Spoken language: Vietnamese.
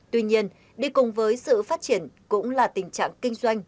tuy nhiên đi cùng với sự phát triển cũng là tình trạng kinh doanh